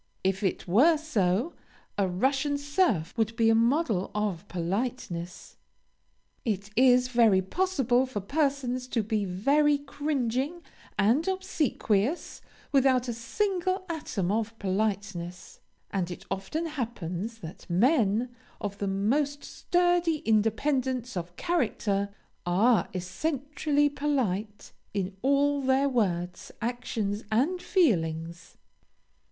If it were so, a Russian serf would be a model of politeness. It is very possible for persons to be very cringing and obsequious, without a single atom of politeness; and it often happens that men of the most sturdy independence of character, are essentially polite in all their words, actions, and feelings.